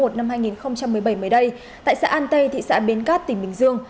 một mươi ba tháng một năm hai nghìn một mươi bảy mới đây tại xã an tây thị xã bến cát tỉnh bình dương